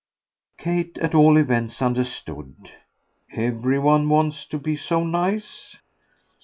Kate at all events understood. "Every one wants to be so nice?"